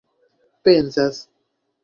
pensas